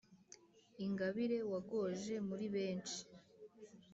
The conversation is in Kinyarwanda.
Ingabire wagoje muri benshi!